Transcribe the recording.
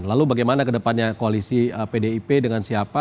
lalu bagaimana kedepannya koalisi pdip dengan siapa